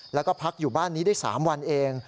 แล้วก็พักอยู่บ้านนี้ได้๓วันเอง